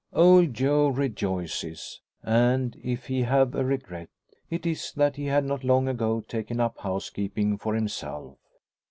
Old Joe rejoices; and if he have a regret, it is that he had not long ago taken up housekeeping for himself.